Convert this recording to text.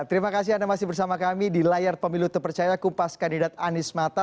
terima kasih anda masih bersama kami di layar pemilu terpercaya kupas kandidat anies mata